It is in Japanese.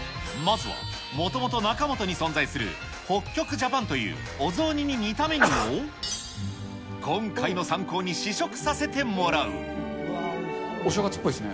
まずはもともと中本に存在する、北極ジャパンというお雑煮に似たメニューを、今回の参考に試食さお正月っぽいですね。